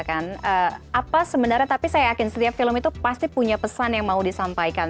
apa sebenarnya tapi saya yakin setiap film itu pasti punya pesan yang mau disampaikan